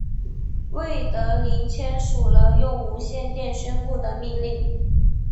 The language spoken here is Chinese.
魏德林签署了用无线电宣布的命令。